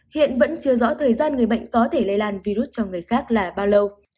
hiện vẫn chưa rõ thời gian người bệnh có thể lây lan virus cho người khác là bao lâu